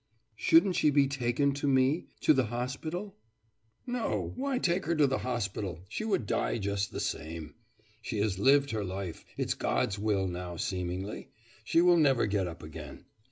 'Shouldn't she be taken to me to the hospital?' 'No. Why take her to the hospital? She would die just the same. She has lived her life; it's God's will now seemingly. She will never get up again.